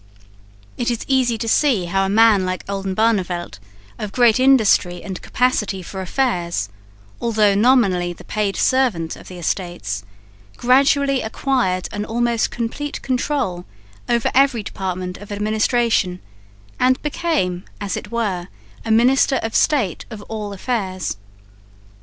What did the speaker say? It is easy to see how a man like Oldenbarneveldt, of great industry and capacity for affairs, although nominally the paid servant of the Estates, gradually acquired an almost complete control over every department of administration and became, as it were, a Minister of State of all affairs.